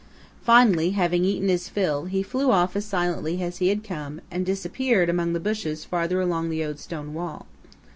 Finally, having eaten his fill, he flew off as silently as he had come and disappeared among the bushes farther along the old stone wall.